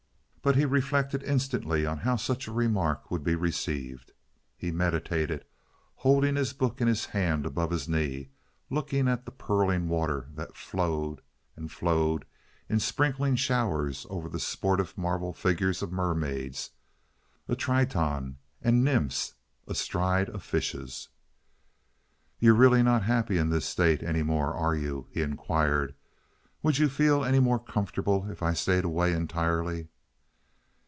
but he reflected instantly how such a remark would be received. He meditated, holding his book in his hand above his knee, looking at the purling water that flowed and flowed in sprinkling showers over the sportive marble figures of mermaids, a Triton, and nymphs astride of fishes. "You're really not happy in this state, any more, are you?" he inquired. "Would you feel any more comfortable if I stayed away entirely?"